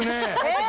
え！